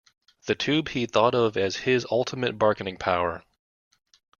The tube he thought of as his ultimate bargaining power.